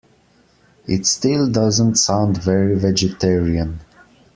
It still doesn’t sound very vegetarian.